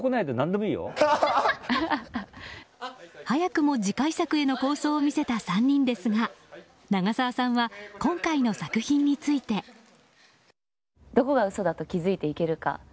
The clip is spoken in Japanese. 早くも次回作への構想を見せた３人ですが長澤さんは今回の作品について。どこが嘘だと気付いていけるか。